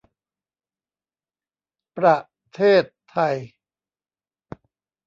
ประเทศไทย